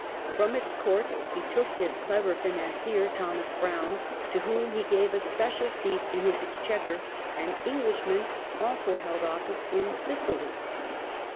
From its court he took his clever financier Thomas Brown, to whom he gave a special seat in his Exchequer, and Englishmen also held office in Sicily.